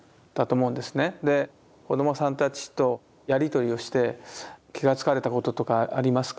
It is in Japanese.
子どもさんたちとやり取りをして気が付かれたこととかありますか？